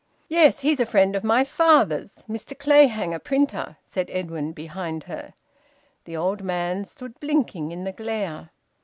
"Yes, he's a friend of my father's, Mr Clayhanger, printer," said Edwin, behind her. The old man stood blinking in the glare.